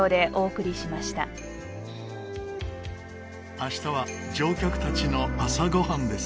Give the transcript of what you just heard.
明日は乗客たちの朝ご飯です。